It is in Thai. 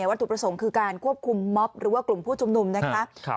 วัตถุประสงค์คือการควบคุมม็อบหรือว่ากลุ่มผู้ชุมนุมนะคะ